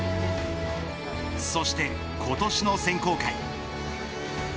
そして、今年の選考会。